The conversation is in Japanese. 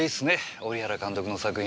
織原監督の作品。